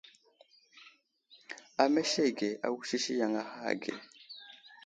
Amesege awusisi yaŋ ahe ge.